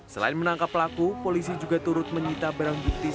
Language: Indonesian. selain menangkap pelaku polisi juga turut menyita barang bukti